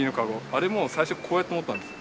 あれも最初こうやって持ったんです。